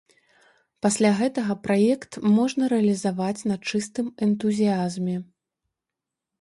Пасля гэтага праект можна рэалізаваць на чыстым энтузіязме.